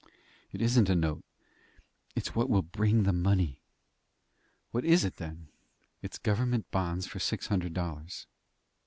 "It isn't a note. It's what will bring the money." "What is it, then?" "It's government bonds for six hundred dollars."